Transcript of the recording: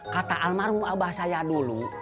kata almarhum abah saya dulu